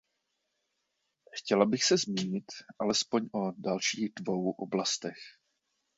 Chtěla bych se zmínit aspoň o dalších dvou oblastech.